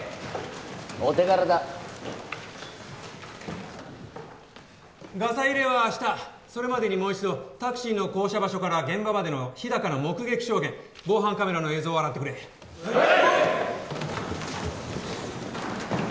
お手柄だガサ入れは明日それまでにもう一度タクシーの降車場所から現場までの日高の目撃証言防犯カメラの映像を洗ってくれはい！